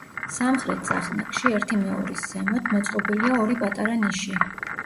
სამხრეთ წახნაგში, ერთი მეორის ზემოთ, მოწყობილია ორი პატარა ნიში.